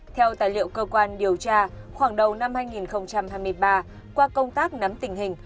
theo tài liệu cơ quan điều tra khoảng đầu năm hai nghìn hai mươi ba qua công tác nắm tình hình